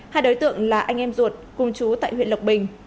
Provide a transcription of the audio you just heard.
hai đối tượng là anh em ruột cùng chú tại huyện lộc bình